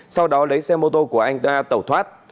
sau đó lấy xe mô tô của anh đa tẩu thoát